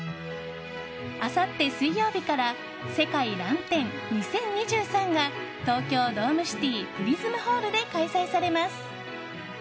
あさって水曜日から世界らん展２０２３が東京ドームシティプリズムホールで開催されます。